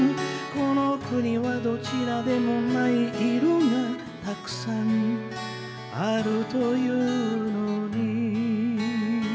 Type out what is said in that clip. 「この国はどちらでもない色がたくさんあるというのに」